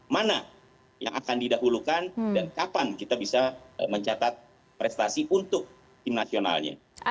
mana yang akan didahulukan dan kapan kita bisa mencatat prestasi untuk tim nasionalnya